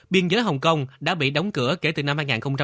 biên giới hồng kông đã bị đóng cửa kể từ năm hai nghìn một mươi